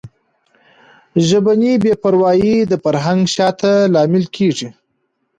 ژبني بې پروایي د فرهنګي شاتګ لامل کیږي.